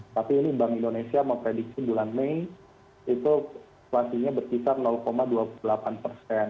tapi ini bank indonesia memprediksi bulan mei itu inflasinya berkisar dua puluh delapan persen